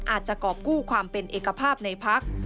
อาจจะกอบกู้ความเป็นเอกภาพในพักษณ์